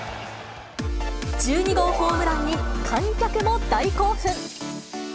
１２号ホームランに観客も大興奮。